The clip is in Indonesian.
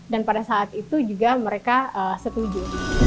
dan pada saat itu juga mereka setuju